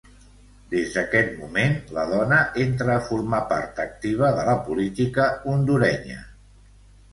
Des d'aquest moment la dona entra a formar part activa de la política hondurenya.